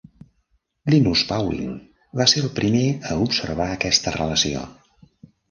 Linus Pauling va ser el primer a observar aquesta relació.